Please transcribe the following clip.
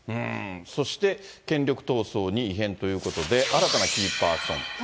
そして権力闘争に異変ということで、新たなキーパーソン。